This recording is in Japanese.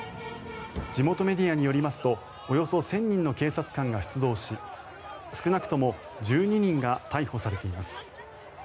地元メディアによりますとおよそ１０００人の警察官が出動し少なくとも１２人が逮捕されています。